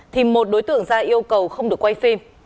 thì một đối tượng ra yêu cầu không được quay phim